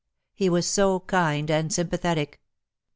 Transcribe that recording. He was so kind and sympathetic.